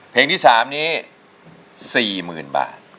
เพลงที่๓นี้๔๐๐๐บาท